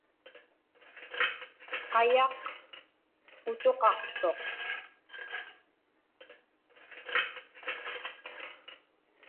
Qayaq putuqaqtuq.